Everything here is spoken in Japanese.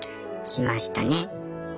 しましたね。